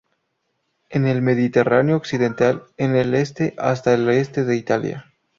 En el Mediterráneo occidental, en el este hasta el este de Italia.